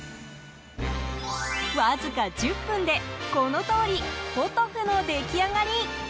わずか１０分で、このとおりポトフの出来上がり。